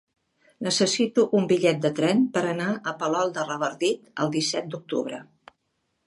Necessito un bitllet de tren per anar a Palol de Revardit el disset d'octubre.